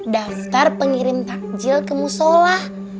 daftar pengirim takjil ke musola